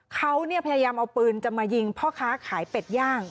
เขาพยายามเอาปืนจะมายิงพ่อค้าขายเป็ดย่าง